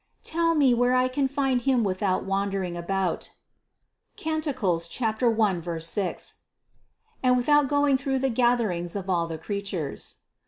Tell me where I can find Him without wandering about, (Cant. 1,6) and without going through the gather ings of all the creatures.